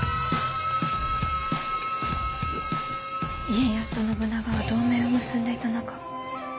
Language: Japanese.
家康と信長は同盟を結んでいた仲。